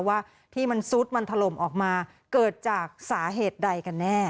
ว่าที่มันซุดมันถล่มออกมาเกิดจากสาเหตุใดกันแน่